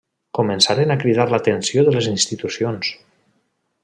Començaren a cridar l’atenció de les institucions.